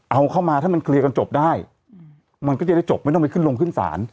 เอาเข้ามาถ้ามันเคลียร์กันจบได้มันก็จะได้จบไม่ต้องไปขึ้นลงขึ้นศาล